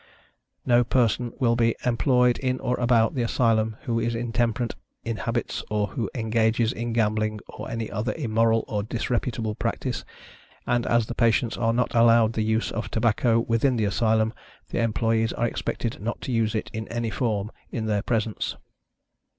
No person will be employed in or about the Asylum who is intemperate in habits, or who engages in gambling or any other immoral or disreputable practice; and as the patients are not allowed the use of tobacco, within the Asylum, the employees are expected not to use it, in any form, in their presence.